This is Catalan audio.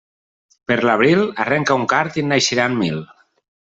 Per l'abril arrenca un card i en naixeran mil.